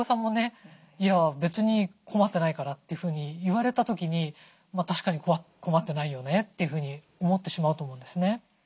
「別に困ってないから」ってふうに言われた時に確かに困ってないよねというふうに思ってしまうと思うんですよね。